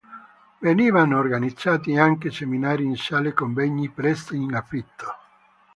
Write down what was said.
Venivano organizzati anche seminari in sale convegni prese in affitto.